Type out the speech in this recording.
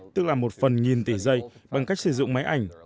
tức là một phần nghìn tỷ giây bằng cách sử dụng máy ảnh